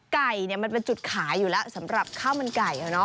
มันเป็นจุดขายอยู่แล้วสำหรับข้าวมันไก่